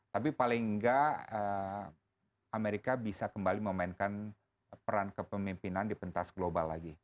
tapi paling nggak amerika bisa kembali memainkan peran kepemimpinan di pentas global lagi